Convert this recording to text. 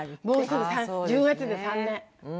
もうすぐ１０月で３年。